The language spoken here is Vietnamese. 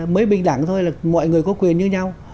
mới bình đẳng thôi là mọi người có quyền như nhau